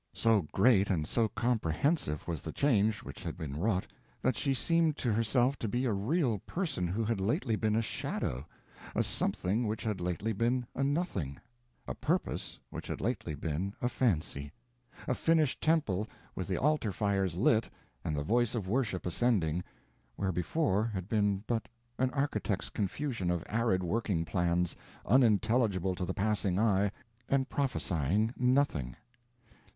So great and so comprehensive was the change which had been wrought, that she seemed to herself to be a real person who had lately been a shadow; a something which had lately been a nothing; a purpose, which had lately been a fancy; a finished temple, with the altar fires lit and the voice of worship ascending, where before had been but an architect's confusion of arid working plans, unintelligible to the passing eye and prophesying nothing.